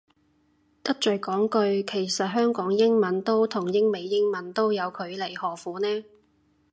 得罪講句，其實香港英文都同英美英文都有距離何苦呢